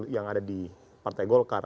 yang ada di partai golkar